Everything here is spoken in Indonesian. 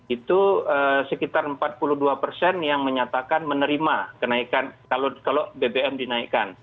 itu sekitar empat puluh dua persen yang menyatakan menerima kenaikan kalau bbm dinaikkan